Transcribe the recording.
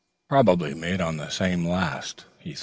Probably made on the same last."